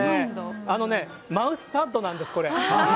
あのね、マウスパッドなんです、これ。